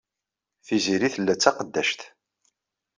Tiziri tella d taqeddact.